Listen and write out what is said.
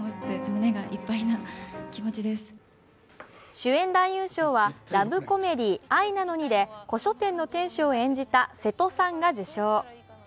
主演男優賞はラブコメディー「愛なのに」で古書店の店主を演じた瀬戸さんが受賞。